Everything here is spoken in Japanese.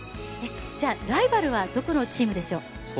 ライバルはどこのチームでしょう？